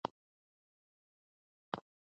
قوانین د ټولو لپاره یو شان دي.